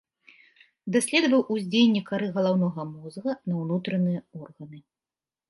Даследаваў уздзеянне кары галаўнога мозга на ўнутраныя органы.